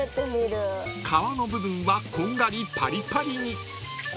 ［皮の部分はこんがりパリパリに］